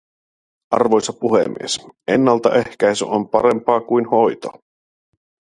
Arvoisa puhemies, ennaltaehkäisy on parempaa kuin hoito.